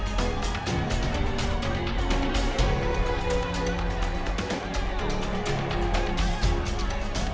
yang keempat adalah jatuhaaaah